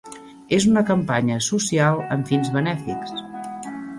És una campanya social amb fins benèfics.